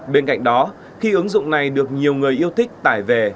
bên cạnh đó khi ứng dụng này được nhiều người yêu thích tải về